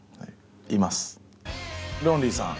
ロンリーさん